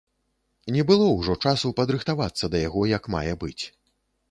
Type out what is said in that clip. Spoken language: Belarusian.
Не было ўжо часу падрыхтавацца да яго як мае быць.